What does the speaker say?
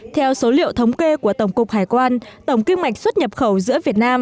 theo số liệu thống kê của tổng cục hải quan tổng kinh mạch xuất nhập khẩu giữa việt nam